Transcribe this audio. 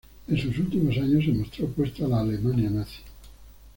En sus últimos años se mostró opuesto a la Alemania nazi.